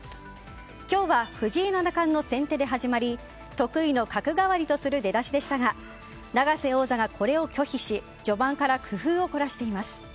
今日は藤井七冠の先手で始まり得意の角換わりとする出だしでしたが永瀬王座がこれを拒否し序盤から工夫を凝らしています。